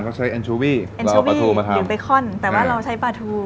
เราใช้แอนชูวีหรือเบคคอนแต่ว่าเราใช้ปลาทู